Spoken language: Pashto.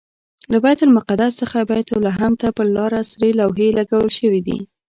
له بیت المقدس څخه بیت لحم ته پر لاره سرې لوحې لګول شوي دي.